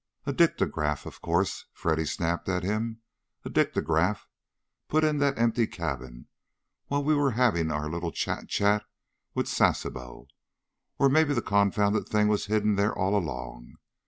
"A dictograph, of course!" Freddy snapped at him. "A dictograph put in that empty cabin while we were having our little chat chat with Sasebo. Or maybe the confounded thing was hidden there all along.